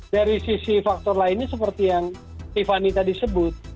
dari sisi faktor lainnya seperti yang tiffany tadi sebut